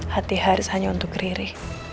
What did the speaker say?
hati haris hanya untuk riri